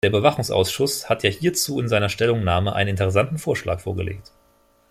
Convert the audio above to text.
Der Überwachungsausschuss hat ja hierzu in seiner Stellungnahme einen interessanten Vorschlag vorgelegt.